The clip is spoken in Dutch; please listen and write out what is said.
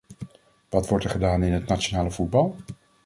Wat wordt er gedaan in het nationale voetbal?